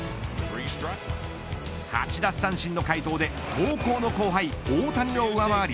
８奪三振の快投で高校の後輩、大谷を上回り